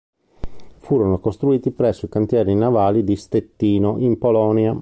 Furono costruiti preso i cantieri navali di Stettino, in Polonia.